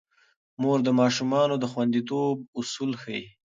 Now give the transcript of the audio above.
مور د ماشوم د خونديتوب اصول ښيي.